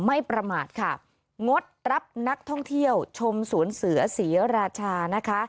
ไม่ประมาทค่ะงดรับนักท่องเที่ยวชมสวนเสือศรีราชานะคะ